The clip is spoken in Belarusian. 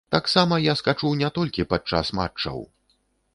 Таксама я скачу не толькі падчас матчаў.